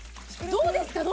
どうですか？